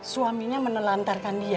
suaminya menelantarkan dia